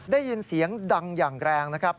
ได้ยินเสียงดังอย่างแรงนะครับ